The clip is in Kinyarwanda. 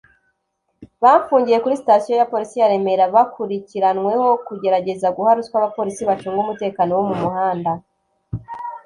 banfungiye kuri Sitasiyo ya Polisi ya Remera bakurikiranyweho kugerageza guha ruswa abapolisi bacunga umutekano wo ku muhanda